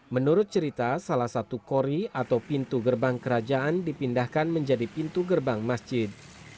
menurut cerita salah satu kori atau pintu gerbang kerajaan dipindahkan menjadi pintu gerbang masjid